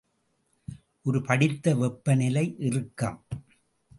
ஒரு படித்த வெப்பநிலை இறுக்கம்.